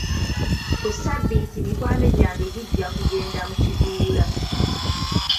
Ku ssabbiiti mikwano gyange gijja kugenda mu kiduula.